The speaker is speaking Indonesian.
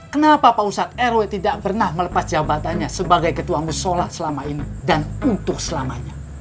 kenapa pak ustadz rw tidak pernah melepas jabatannya sebagai ketua musola selama ini dan untuk selamanya